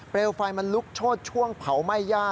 ไฟมันลุกโชดช่วงเผาไหม้ย่า